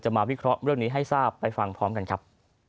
มาวิเคราะห์เรื่องนี้ให้ทราบไปฟังพร้อมกันครับ